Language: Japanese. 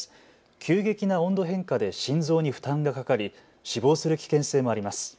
急激な温度変化で心臓に負担がかかり死亡する危険性もあります。